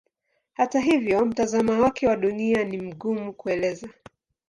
Hata hivyo mtazamo wake wa Dunia ni mgumu kuelezea.